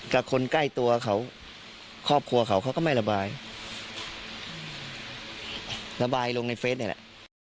แต่คนใกล้ตัวเขาครอบครัวก็ไม่ระบายระบายลงในเฟสหน้า